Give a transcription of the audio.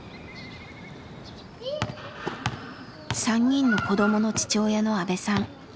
３人の子どもの父親の阿部さん。